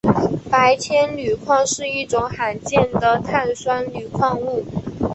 白铅铝矿是一种罕见的碳酸铝矿物。